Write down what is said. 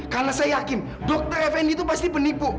karena saya yakin dokter fnd itu pasti penipu